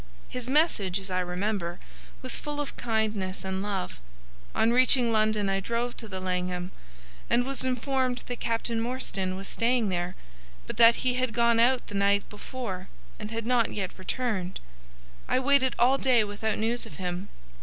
His message, as I remember, was full of kindness and love. On reaching London I drove to the Langham, and was informed that Captain Morstan was staying there, but that he had gone out the night before and had not yet returned. I waited all day without news of him.